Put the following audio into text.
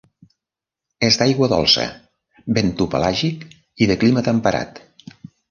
És d'aigua dolça, bentopelàgic i de clima temperat.